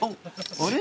あれ？